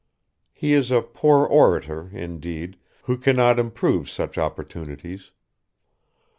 He is a poor orator, indeed, who cannot improve such opportunities.